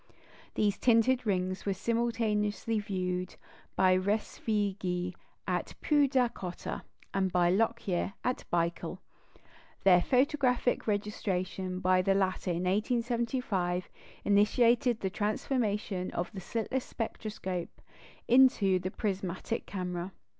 These tinted rings were simultaneously viewed by Respighi at Poodacottah, and by Lockyer at Baikul. Their photographic registration by the latter in 1875 initiated the transformation of the slitless spectroscope into the prismatic camera.